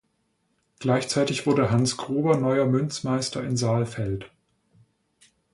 Gleichzeitig wurde Hans Gruber neuer Münzmeister in Saalfeld.